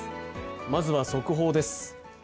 まずは速報です。